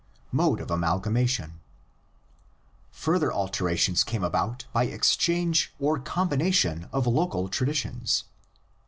MODE OF AMALGAMATION. Further alterations came about by exchange or combination of local traditions.